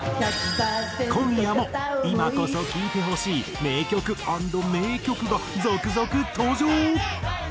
今夜も今こそ聴いてほしい名曲＆迷曲が続々登場！